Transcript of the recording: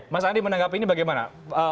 mas andi menanggapi ini bagaimana